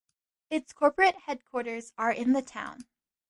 Its corporate headquarters are in the town.